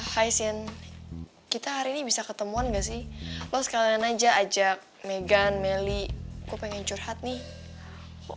hi sian kita hari ini bisa ketemuan gak sih lo sekalian aja ajak negan meli k corhat nih